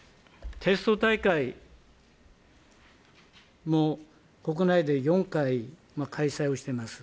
テスト大会も国内で４回開催をしてます。